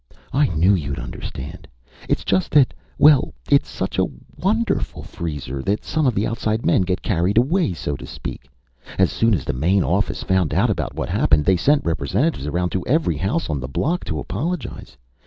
"I knew you'd understand. It's just that well, it's such a wonderful freezer that some of the outside men get carried away, so to speak. As soon as the main office found out about what happened, they sent representatives around to every house on the block to apologize.